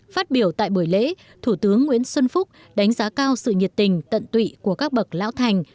phát biểu tại buổi lễ thủ tướng nguyễn xuân phúc đánh giá cao sự nhiệt tình tận tụy của các bậc lão thành